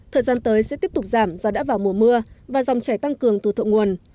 thời gian tới sẽ tiếp tục giảm do đã vào mùa mưa và dòng chảy tăng cường từ thượng nguồn